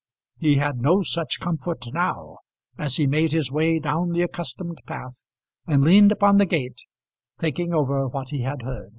He had no such comfort now, as he made his way down the accustomed path and leaned upon the gate, thinking over what he had heard.